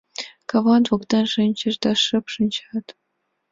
Каван воктен шинчыч да шып шинчат.